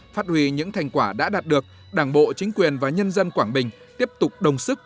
phát huy những thành quả đã đạt được đảng bộ chính quyền và nhân dân quảng bình tiếp tục đồng sức